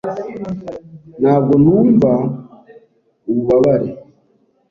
Ntabwo numva ububabare.